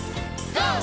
ＧＯ！